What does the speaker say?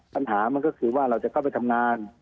ปัญหามันก็คือว่าเราจะเข้าไปทำงาน